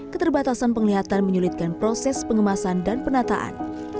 keterbatasan penglihatan menyulitkan proses pengemasan dan penataan